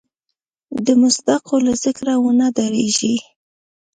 د مصادقو له ذکره ونه ډارېږي.